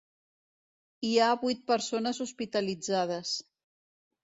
Hi ha vuit persones hospitalitzades.